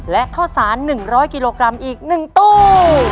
และข้าวสาร๑๐๐กิโลกรัมอีก๑ตู้